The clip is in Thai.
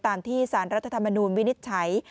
ตามที่สารรัฐธรรมนูลวินิจฉัย